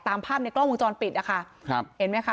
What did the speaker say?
ตามภาพในกล้องวงจรปิดนะคะครับเห็นไหมคะ